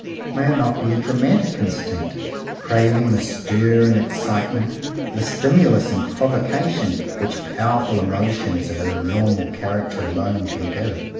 May it not be a dramatic instinct, craving the stir and excitement, the stimulus and provocation, which powerful emotions of an abnormal character alone can give